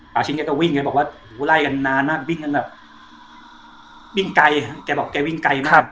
ชิ้นแกก็วิ่งไงบอกว่าโหไล่กันนานมากวิ่งกันแบบวิ่งไกลแกบอกแกวิ่งไกลมาก